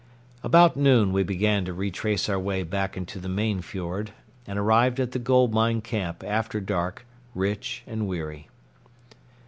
About noon we began to retrace our way back into the main fiord, and arrived at the gold mine camp after dark, rich and weary.